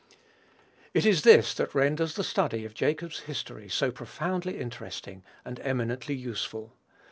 It is this that renders the study of Jacob's history so profoundly interesting and eminently useful.